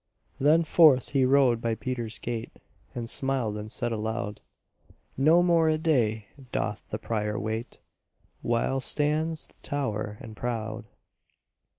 Then forth he rode by Peter's gate, And smiled and said aloud: "No more a day doth the Prior wait; White stands the tower and proud."